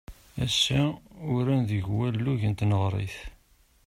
Ass-a, uran deg walug n tneɣrit.